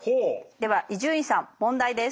では伊集院さん問題です。